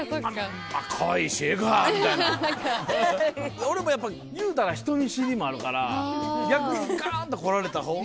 俺もいうたら人見知りもあるから逆にガンと来られたほうが。